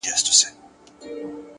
ژور لید کوچنۍ تېروتنې کموي!